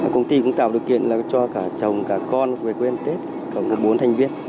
công ty cũng tạo điều kiện cho cả chồng cả con về quê ăn tết có bốn thành viên